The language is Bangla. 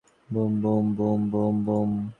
কারণ ইউরোপ যাওয়া মানে কাজে লাগা।